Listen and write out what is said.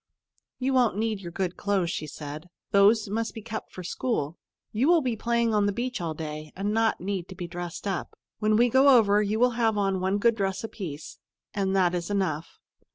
"You won't need your good clothes," she said. "Those must be kept for school. You will be playing on the beach all day, and not need to be dressed up. When we go over, you will have on one good dress apiece, and that is enough."